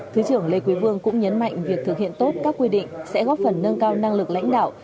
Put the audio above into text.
thứ trưởng lê quý vương cũng nhấn mạnh việc thực hiện tốt các quy định sẽ góp phần nâng cao năng lực lãnh đạo